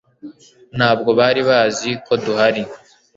Ntabwo bari bazi ko duhari